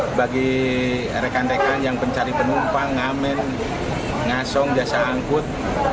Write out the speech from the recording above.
ini bagi rekan rekan yang pencari penumpang ngamen ngasong jasa angkut